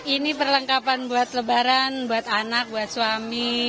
ini perlengkapan buat lebaran buat anak buat suami